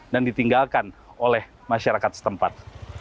dan ditinggalkan oleh masyarakat setempat